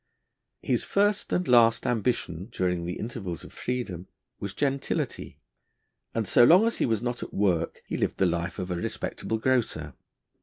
His first and last ambition during the intervals of freedom was gentility, and so long as he was not at work he lived the life of a respectable grocer.